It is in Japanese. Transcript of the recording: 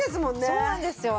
そうなんですよ。